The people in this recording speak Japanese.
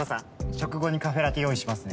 食後にカフェラテ用意しますね。